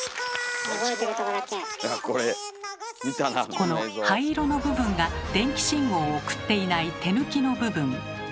この灰色の部分が電気信号を送っていない手抜きの部分。